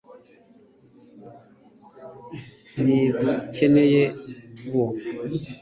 ntidukeneye bo